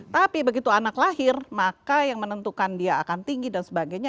tapi begitu anak lahir maka yang menentukan dia akan tinggi dan sebagainya